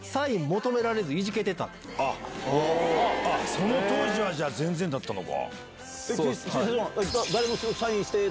その当時は全然だったのか。